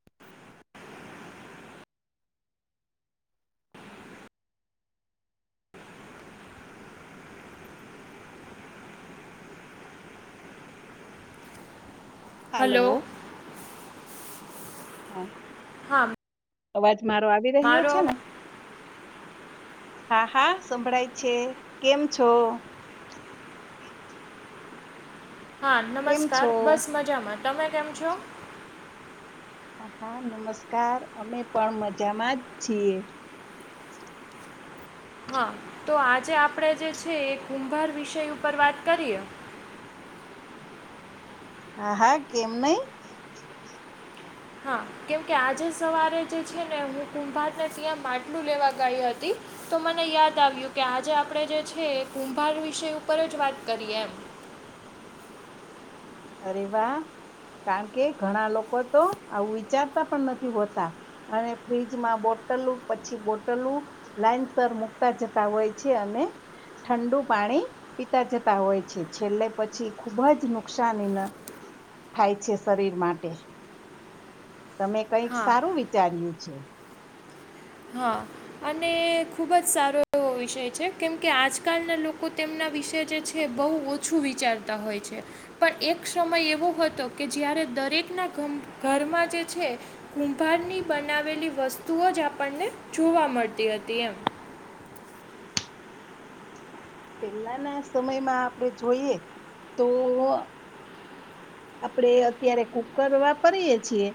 [unintelligible] Hello હાલો હા હા અવાજ મારો આવી રહ્યો મારો છે ને અવાજ હા હા સંભળાય છે કેમ છો હા કેમ નમસ્કાર છો બસ મજામાં તમે કેમ છો હા નમસ્કાર અમે પણ મજામાં જ છીએ હા તો આજે આપણેે જે છે એ કુંભાર વિષય ઉપર વાત કરીએ હા હા કેમ નહી હા કેમકે આજે સવારે જે છે ને હું કુંભાર ને ત્યાં માટલું લેવા ગઈ હતી તો મને યાદ આવ્યું કે આજે આપણે જે છે કુંભાર વિષય ઉપર જ વાત કરીએ એમ અરે વા કારણ કે ઘણા લોકો તો આવું વિચારતા પણ નથી હોતા અને ફ્રીજમાં બોટલ પછી બોટલું લાઈનસ મુૂકતા જતા હોય છે અને ઠંડુ પાણી પીતા જતા હોય છે છેલ્લે પછી ખુબ જ નુકસાન [unintelligible] થાય છે શરીર માટે તમે કંઈક હા સારું વિચાર્યું છે. હા અને ખુબ જ સારો એવો વિષય છે કેમ કે આજકાલના લોકો તેમના વિશે જે છે જે બહુ ઓછું વિચારતા હોય છે. પણ એક સમય એવો હતો કે જયારે દરેક ના ઘરમાં જે છે. કુંભારની બનાવેલી વસ્તુઓ જ આપણને જોવા મળતી હતી એમ પેલાના સમયમાં આપણેે જોઈએ તો આપડે અત્યારે કુકર વાપરીએ છીએ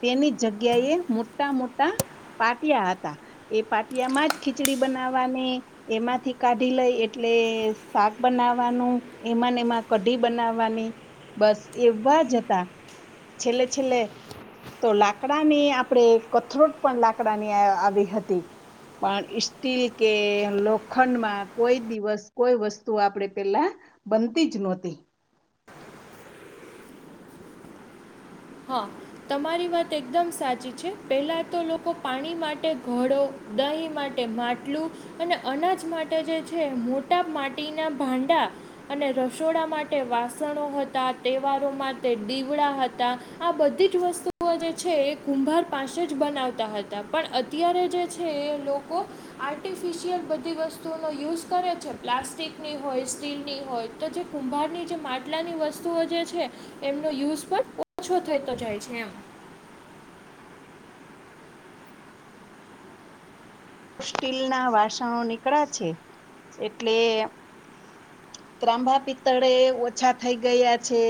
તેની જગ્યા એ મોટા મોટા પાટિયા હતા એ પાટિયા માં જ ખીચડી બનાવવાની એમાંથી કાઢી લઈ એટલે શાક બનાવવાનું એમાંને એમાં કઢી બનાવવાની બસ એવા જ હતા છેલ્લે છેલ્લે તો લાકડા ની આપણેે કથરોટ પણ લાકડાની આવી હતી પણ સ્ટીલ કે લોખંડ માં કોઈ દિવસ કોઈ વસ્તુ આપણેે પેલા બનતી જ નહોતી હા તમારી વાત એકદમ સાચી છે પહેલાં તો લોકો પાણી માટે ઘડો દહીં માટે માટલું અને અનાજ માટે જે છે મોટા માટીના ભાંડા અને રસોડા માટે વાસણો હતા તહેવારો માટે દીવડા હતા આ બધી જ વસ્તુઓ જે છે એ કુંભાર પાસે જ બનાવતા હતા પણ અત્યારે જે છે એ લોકો આર્ટિફિશિયલ બધી વસ્તુઓનો યુઝ કરે છે પ્લાસ્ટિકની હોય સ્ટીલની હોય તો જે કુંભારની જે માટલાની વસ્તુઓ જે છે એમનો યુઝ પણ ઓછો થતો જાય છે એમ સ્ટીલ ના વાસણો નીકળ્યા છે એટલે ત્રાંબા પિત્તળે ઓછા થઈ ગયા છે.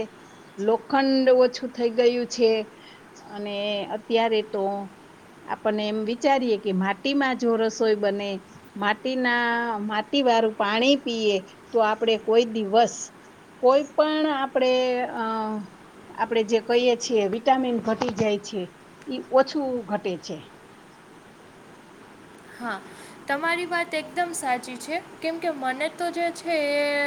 લોખંડ ઓછું થઈ ગયું છે અને અત્યારે તો આપને એમ વિચારીએે કે માટીમાં જો રસોઈ બને. માટીના માટી વાળું પાણી પીએ તો આપડે કોઈ દિવસ. કોઈ પણ આપડે અ. આપડે જે કહીએ છીએ વિટામિન ઘટી જાય છે ઇ ઓછું ઘટે છે. હા તમારી વાત એકદમ સાચી છે કેમકે મને તો જે છે એ.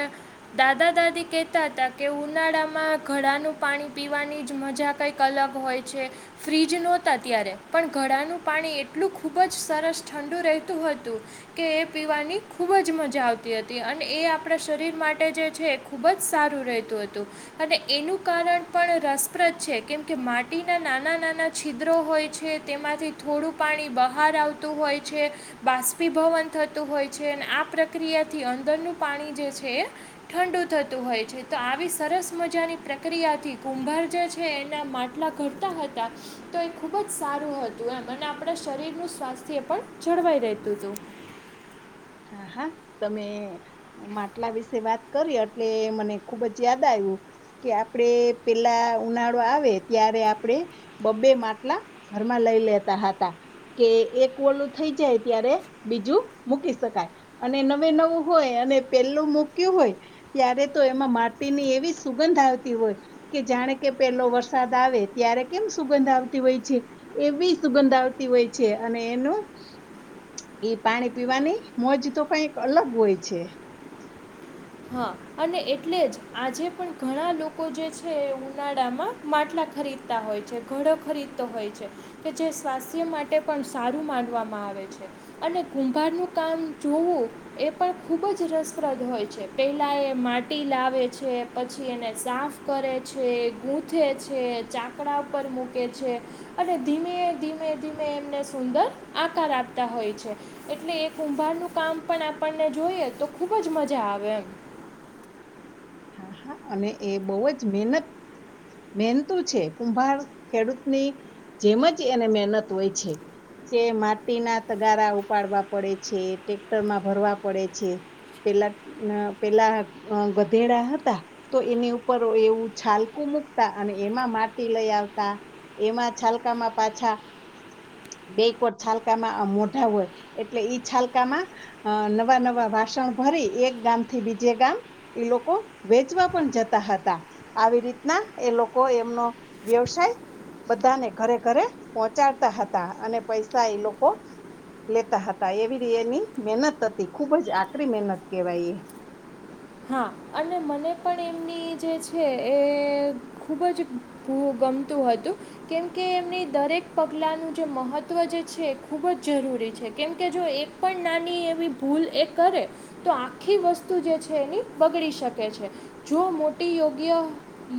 દાદા દાદી કેહેતા હતા કે ઉનાળામાં ઘડા નું પાણી પીવાની જ મજા. કંઈક અલગ હોય છે. ફ્રીજ નહોતા ત્યારે પણ ઘડાનું પાણી એટલું ખૂબ જ સરસ. ઠંડુ રહેતું હતું. કે એ પીવાની ખુબ જ મજા આવતી હતી અને એ આપણા શરીર માટે જે છે. ખૂબ જ સારું રહેતું હતું. અને એનું કારણ પણ રસપ્રદ છે કેમ કે માટીના નાના નાના. છિદ્રો હોય છે તેમાંથી થોડું પાણી બહાર આવતું હોય છે. બાષ્પીભવન થતું હોય છે અને આ પ્રક્રિયાથી અંદરનું પાણી જે છે એ. ઠંડુ થતું હોય છે તો આવી સરસ મજાની પ્રક્રિયાથી કુંભાર જે છે એના માટ. ટલા ઘડતા હતા તો એ ખૂબ જ સારું હતું એમ અને આપણા શરીરનું સ્વાસ્થ્ય. પણ જળવાઈ રહેતું હતું. હા હા તમે. માટલા વિશે વાત કરી એટલે મને ખુબ જ યાદ આવ્યું. કે આપડે પેલા ઉનાળો આવે ત્યારે આપડે. બબ્બે માટલા ઘરમાં લઈ લેતા હતા. કે એક વલું થઈ જાય ત્યારે બીજું મૂકી. શકાય અને નવે નવું હોય અને પેલું મૂક્યું હોય. ત્યારે તો એમાં માટીની એવી સુગંધ આવતી હોય. કે જાણે કે પેલો વરસાદ આવે ત્યારે કેમ સુગંધ આવતી હોય છે. એવી સુગંધ આવતી હોય છે અને એનું એ પાણી પીવાની. મોજ તો કઈક અલગ હોય છે. હા અને એટલે જ આજે પણ ઘણા લોકો જે છે એ ઉનાળામાં માટલા ખરીદ. હોય છે ઘડો ખરીદતો હોય છે. કે જે સ્વાસ્થ્ય માટે પણ સારું માનવામાં આવે છે. અને કુંભારનું કામ જોવું એ પણ ખુબ જ રસપ્રદ હોય છે. પહેલાં એ માટી લાવે છે પછી એને સાફ કરે છે ગૂંથે છે ચા. કડા ઉપર મૂકે છે. અને ધીમે ધીમે ધીમે એમને સુંદર આકાર આપતા હોય છે. એટલે એ કુંભારનું કામ પણ આપણને જોઈએ તો ખુબ જ મજા આવે એમ. હા હા અને એ બહુ જ મહેનત. મહેનતું છે કુંભાર ખેડૂતની જેમ જ એને મહેનત હોય છે. કે માટીના તગારા ઉપાડવા પડે છે ટેક્ટરમાં ભરવા પડે છે. પેલા પેલા ગધેડા હતા. તો એની ઉપર એવું છાલકું મૂકતા અને એમાં માટી લઈ આવતા. એમાં છાલકામાં પાછા. બે કોર છાલકામાં મોઢા હોય એટલે ઈ છાલકામાં. અ નવા નવા વાસણ ભરી એક ગામ થી બીજે ગામ. ઈ લોકો વેચવા પણ જતા હતા. આવી રીતના એ લોકો એમનો વ્યવસાય. બધાને ઘરે ઘરે પહોંચાડતા હતા અને પૈસા એ લોકો લેતા હતા એવી એની મહેનત હતી ખુબ જ આકરી મહેનત કેવાય એ. હા અને મને પણ એમની જે છે એ ખુબ જ ગમતું હતું. કેમકે એમની દરેક પગલાંનું જે મહત્ત્વ જે છે એ ખૂબ જ જરૂરી છે કેમકે જો એ પણ નાની એવી ભૂલ એ કરે, તો આખી વસ્તુ જે છે એની. બગડી શકે છે, જો મોટી યોગ્ય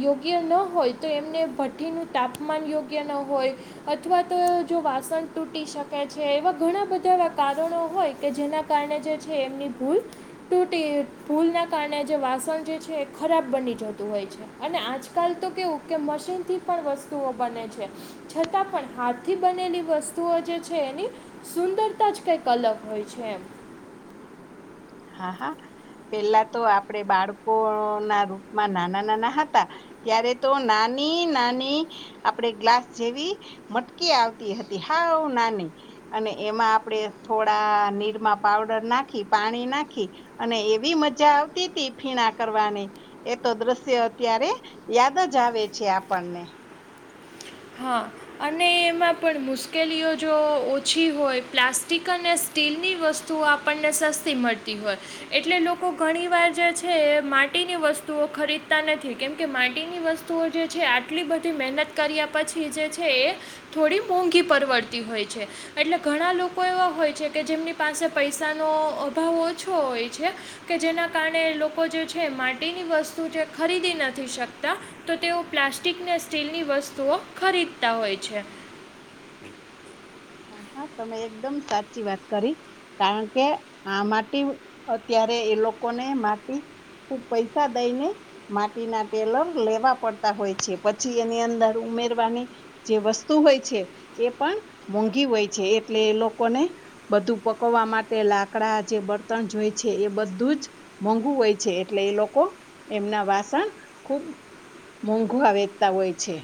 યોગ્ય ન હોય તો એમને ભઠ્ઠીનું તાપમાન યોગ્ય ન હોય. અથવા તો જો વાસણ તૂટી શકે છે એવા ઘણા બધા એવા કારણો હોય કે જેના કારણે જે એમની ભૂલ ત ભૂલ ના કારણે આ જે વાસણ જે છે એ ખરાબ બની જતું હોય છે. અને આજકાલ તો કેવું કે મશીન થી પણ વસ્તુઓ બને છે. છતાં પણ હાથથી બનેલી વસ્તુઓ જે છે એની સુંદરતા જ કઈ અલગ હોય છે એમ. હા હા પેલા તો આપણેે બાળકો ના રૂપમાં નાના નાના હતા. ત્યારે તો નાની નાની. આપડે ગ્લાસ જેવી મટકી આવતી હતી હા નાની. અને એમાં આપણેે થોડા નીરમા પાવડર નાખી પાણી નાખી. ખિ અને એવી મજા આવતી ત ફીણા કરવાની. એ તો દ્રશ્ય અત્યારે, યાદ જ આવે છે આપણને. હા અને એમાં પણ મુશ્કેલીઓ જો ઓછી હોય પ્લાસ્ટિક અને સ્ટીલની વસ્તુઓ આપણને સસ્તી મળતી હોય. એટલે લોકો ઘણી વાર જે છે એ માટીની વસ્તુઓ ખરીદતા નથી કેમકે માટીની વસ્તુ વુ જે છે આટલી બધી મહેનત કર્યા પછી જે છે એ થોડી મોંઘી પરવડતી હોય છે. એટલે ઘણા લોકો એવા હોય છે કે જેમની પાસે પૈસાનો અભાવ હોય. ઓછ હોય છે, કે જેના કારણે લોકો જે છે માટીની વસ્તુ ખરીદી નથી શકતા, તો તેઓ પ્લાસ્ટિક ને સ્ટીલની વસ્તુ વસ્તુઓ ખરીદતા હોય છે. હા હા તમે એકદમ સાચી વાત કરી. કારણ કે આ માટી અત્યારે એ લોકોને માટી ખુબ પૈસા દઈ ને. માટીના ટેલર લેવા પડતા હોય છે પછી એની અંદર ઉમેરવાની જે વસ્તુ હોય છે, એ પણ મોંઘી હોય છે એટલે એ લોકોને બધું પકવવા માટે લાકડા જે બર્તન જોય છે એ બધું જ. મોંઘું હોય છે એટલે એ લોકો એમના વાસણ, ખુબ મોંઘવા વેચતા હોય છે.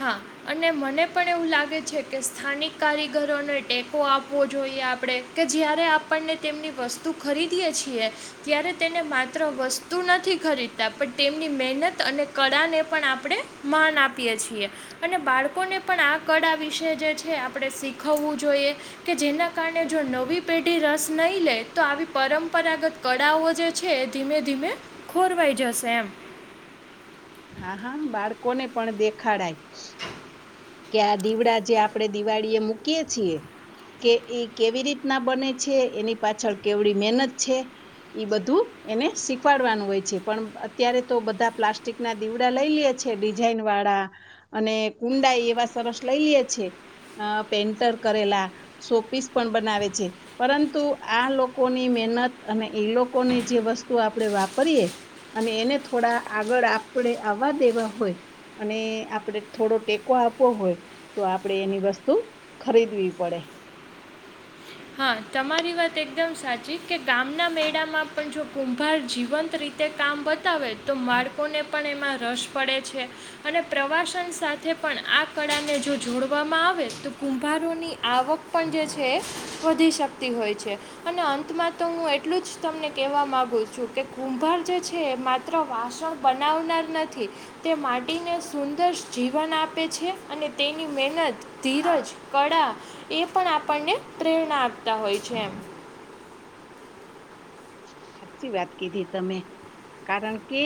હા. અને મને પણ એવું લાગે છે કે સ્થાનિક કારીગરોને ટેકો આપવો જોઈએ આપણે. કે જ્યારે આપણને તેમની વસ્તુ ખરીદીએ છીએ. ત્યારે તેને માત્ર વસ્તુ નથી ખરીદતા પણ તેમની મહેનત અને કળા ને પણ આપણે માન આપીએ છીએ. અને બાળકોને પણ આ કળા વિશે જે છે આપણે શીખવવું જોઈએ. કે જેના કારણે જો નવી પેઢી રસ નહી લે તો આવી પરંપરાગત કળાઓ જે છે એ ધીમે ધીમે, ખોરવાઈ જશે એમ. હા, હા, બાળકો ને પણ દેખાડાય. કે આ દીવડા જે આપણે દિવાળી એ મૂકીએ છીએ. કે એ કેવી રીતના બને છે, એની પાછળ કેવડી મહેનત છે. એ બધું એને શીખવાડવાનું હોય છે, પણ અત્યારે તો બધા પ્લાસ્ટિક. ના દીવડા લઈ લે છે, ડિઝાઇન વાળા અને કુંડાઈ એવા સરસ લઈ લે છે. અ પેઈન્ટર કરેલા શો પીસ પણ બનાવે છે. પરંતુ આ લોકોની મહેનત અને એ લોકોની જે વસ્તુ આપણેે વાપરીયએ. અને એને થોડા આગળ આપણે આવવા દેવા હોય, અને આપણે થોડો ટેકો આપવો હોય તો, આપડે એની વસ્તુ ખરીદવી પડે. હા, તમારી વાત એકદમ સાચી કે, ગામના મેળામાં પણ જો કુંભાર જીવંત રીતે. તે કામ બતાવે તો, બાળકોને પણ એમાં રસ પડે છે. અને પ્રવાસન સાથે પણ આ કળાને જો જોડવામાં આવે, તો કુંભારોની આવક પણ જે છે, એ વધી શકતી હોય છે. અને અંતમાં તો, હું એટલું જ તમને કેવા માંગુ છું કે, કુંભાર જે છે. માત્ર વાસણ બનાવનાર નથી. તે માંડીને સુંદર જીવન આપે છે, અને તેની મહેનત. ધીરજ, કળા એ પણ આપણને પ્રેરણા આપતા હોય છે, એમ. સાચી વાત કીધી, તમે કારણ કે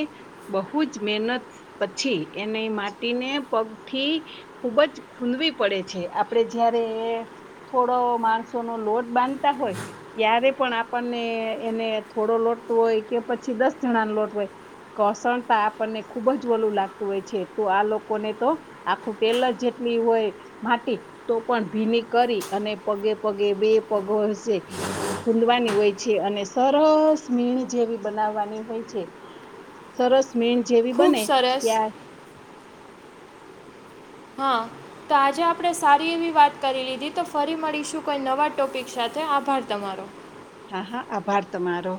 બહુ જ મહેનત, પછી એને માટીને પગથી. ખુબ જ ખૂદવી પડે છે, આપડે જયારે થોડો માણસો નો લોટ બાંધતા હોય, ત્યારે પણ આપણને. એને થોડો લોટ હોય કે, પછી દસ હજાર જણાનો લોટ હોય. કસણતા આપણને ખુબ જ વલું લાગતું હોય છે, તો આ લોકોને તો. આખું પેલર જેટલી હોય. માટી તો પણ ભીની કરી, અને પગે પગે બે પગો હશે. ખૂદવાની હોય છે, અને સરસ મીણ જેવી બનાવવાની હોય છે. સરસ મીણ જેવી ખૂબ બને, સરસ ત્યા હા. તો આજે આપણે સારી એવી વાત કરી લીધી, તો ફરી મળીશું, કોઈ નવા ટોપિક સાથે, આભાર તમારો. હા, હા, આભાર તમારો.